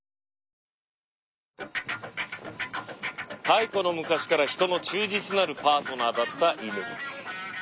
太古の昔からヒトの忠実なるパートナーだったイヌ。